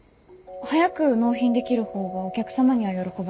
早く納品できる方がお客様には喜ばれます。